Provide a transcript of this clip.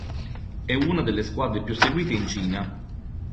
È una delle squadre più seguite in Cina.